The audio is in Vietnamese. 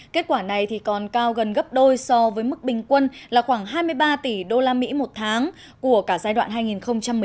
kết quả này còn cao gần gấp đôi so với mức bình quân là khoảng hai mươi ba tỷ đô la mỹ một tháng của cả giai đoạn hai nghìn một mươi hai hai nghìn một mươi tám